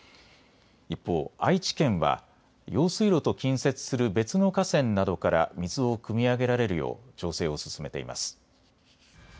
一方、愛知県は用水路と近接する別の河川などから水をくみ上げられるよう調整を進めています。